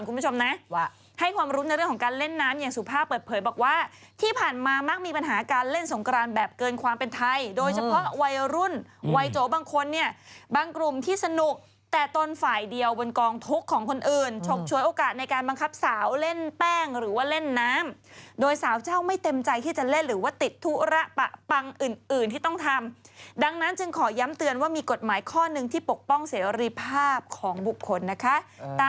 คุณผู้ชมนะว่าให้ความรู้ในเรื่องของการเล่นน้ำอย่างสูบภาพเปิดเผยบอกว่าที่ผ่านมามักมีปัญหาการเล่นสงกรานแบบเกินความเป็นไทยโดยเฉพาะวัยรุ่นวัยโจบางคนเนี่ยบางกลุ่มที่สนุกแต่ต้นฝ่ายเดียวบนกองทุกของคนอื่นชกชวยโอกาสในการบังคับสาวเล่นแป้งหรือว่าเล่นน้ำโดยสาวเจ้าไม่เต็มใจที่จะ